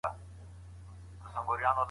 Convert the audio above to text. بهرنۍ پالیسي د اقتصادي اړیکو زیان نه رسوي.